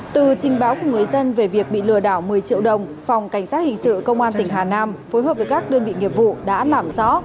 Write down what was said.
từ trình báo của người dân về việc bị lừa đảo một mươi triệu đồng phòng cảnh sát hình sự công an tỉnh hà nam phối hợp với các đơn vị nghiệp vụ đã làm rõ